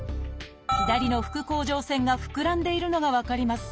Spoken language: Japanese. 左の副甲状腺が膨らんでいるのが分かります。